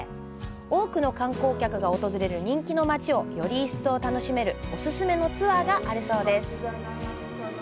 多くの観光客が訪れる人気の町をより一層楽しめるお勧めのツアーがあるそうです。